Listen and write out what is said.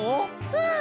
うん！